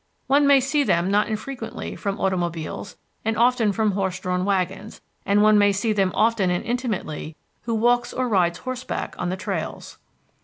One may see them not infrequently from automobiles and often from horse drawn wagons; and one may see them often and intimately who walks or rides horseback on the trails.